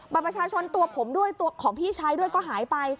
ประชาชนตัวผมด้วยตัวของพี่ชายด้วยก็หายไป